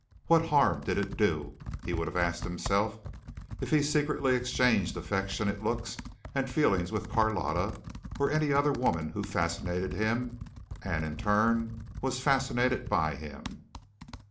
What harm did it do, he would have asked himself, if he secretly exchanged affectionate looks and feelings with Carlotta or any other woman who fascinated him and in turn was fascinated by him?